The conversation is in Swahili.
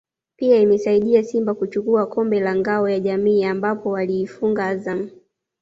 pia ameisaidia Simba kuchukua kombe la Ngao ya Jamii ambapo waliifunga Azam